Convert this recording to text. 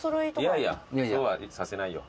いやいやそうはさせないよ。